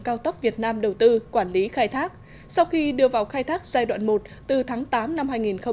cao tốc việt nam đầu tư quản lý khai thác sau khi đưa vào khai thác giai đoạn một từ tháng tám năm